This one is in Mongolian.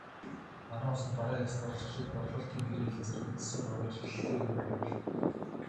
Манай улсад бараа экспортлогчид борлуулалтын гэрээ хэлэлцээртээ засвар оруулж эхэллээ хэмээн өгүүлэв.